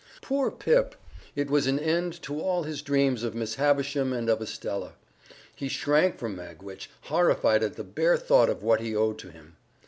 Poor Pip! It was an end to all his dreams of Miss Havisham and of Estella. He shrank from Magwitch, horrified at the bare thought of what he owed to him.